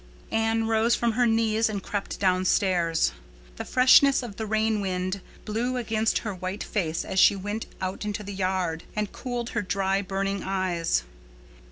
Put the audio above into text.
Anne rose from her knees and crept downstairs. The freshness of the rain wind blew against her white face as she went out into the yard, and cooled her dry, burning eyes.